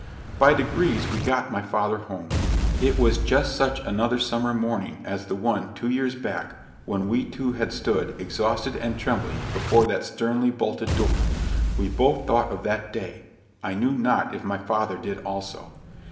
By degrees we got my father home. It was just such another summer morning as the one, two years back, when we two had stood, exhausted and trembling, before that sternly bolted door. We both thought of that day: I knew not if my father did also.